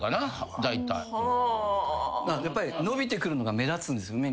やっぱり伸びてくるのが目立つんですよね。